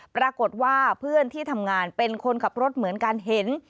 ปรากฏว่าเพื่อนที่ทำงานเป็นคนขับรถเหมือนกันเห็น